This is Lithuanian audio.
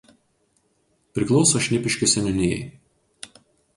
Priklauso Šnipiškių seniūnijai.